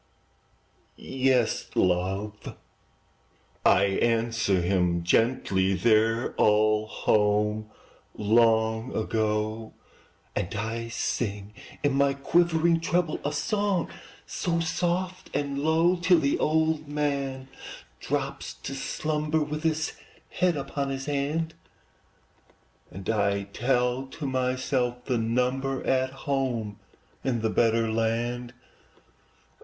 "Yes, love!" I answer him gently, "They're all home long ago;" And I sing, in my quivering treble, A song so soft and low, Till the old man drops to slumber, With his head upon his hand, And I tell to myself the number At home in the better land.